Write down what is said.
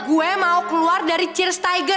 gue mau keluar dari cheers tiger